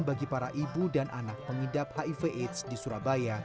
bagi para ibu dan anak pengidap hiv aids di surabaya